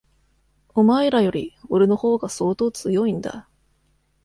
お前らより、俺の方が相当強いんだ。